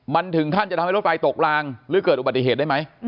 มันถึงขั้นจะทำให้รถไฟตกลางหรือเกิดอุบัติเหตุได้ไหม